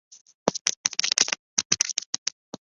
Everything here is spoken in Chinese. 坐落于海丰县城北郊五坡岭。